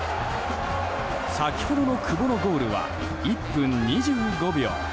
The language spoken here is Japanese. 先ほどの久保のゴールは１分２５秒。